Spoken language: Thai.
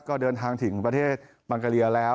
ก็เดินทางถึงประเทศมองกะเลียแล้ว